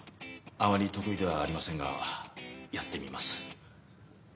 あまり得意ではありませんがやってみます。